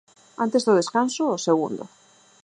Antes do descanso, o segundo.